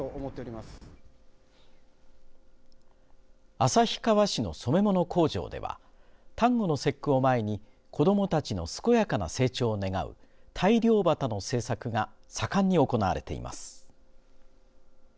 旭川市の染め物工場では端午の節句を前に子どもたちの健やかな成長を願う大漁旗の製作が盛んに行われています。